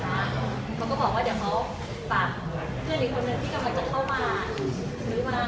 ว่าไปซื้อยายอดตาให้หน่อยเราแสบตา